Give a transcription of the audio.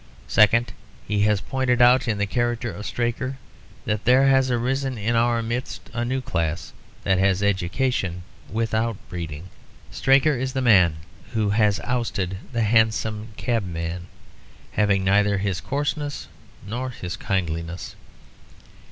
Second, he has pointed out in the character of Straker that there has arisen in our midst a new class that has education without breeding. Straker is the man who has ousted the hansom cabman, having neither his coarseness nor his kindliness.